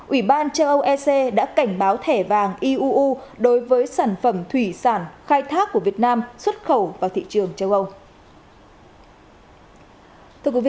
ủy ban châu âu ec đã cảnh báo thẻ vàng iuu đối với sản phẩm thủy sản khai thác của việt nam xuất khẩu vào thị trường châu âu